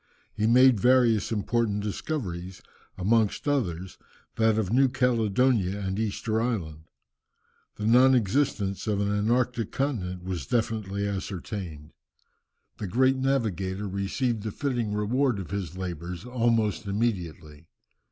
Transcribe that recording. He made various important discoveries, amongst others, that of New Caledonia and Easter Island. The non existence of an antarctic continent was definitely ascertained. The great navigator received the fitting reward of his labours almost immediately.